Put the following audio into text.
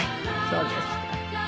そうですか。